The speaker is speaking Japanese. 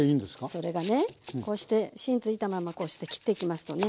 それがねこうして芯ついたままこうして切っていきますとね